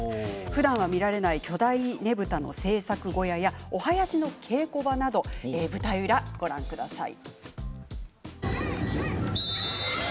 ふだんは見られない巨大ねぶたの制作小屋やお囃子の稽古場など舞台裏をご覧ください。